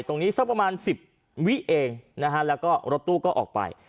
สักประมาณ๑๐วิเองนะฮะแล้วก็รถตู้ก็ออกไป